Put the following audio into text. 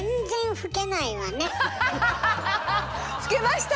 老けました！